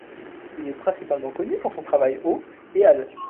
Il est principalement connu pour son travail au et à l'.